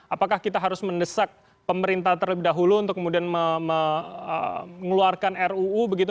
apakah kita harus mendesak pemerintah terlebih dahulu untuk kemudian mengeluarkan ruu begitu